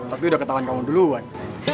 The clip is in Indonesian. tapi udah ketahuan kamu dulu wan